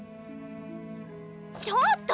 ちょっと！